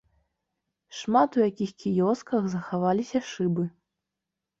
Шмат у якіх кіёсках захаваліся шыбы.